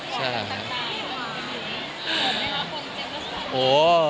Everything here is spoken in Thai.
ใช่